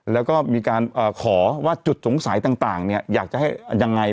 แล้วก็มีการขอว่าจุดสงสัยต่างอยากจะให้ยังไง